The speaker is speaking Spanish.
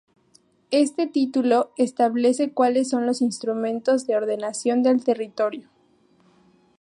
Este título establece cuales son los Instrumentos de Ordenación del Territorio.